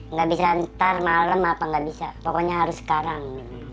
nggak bisa ntar malam apa nggak bisa pokoknya harus sekarang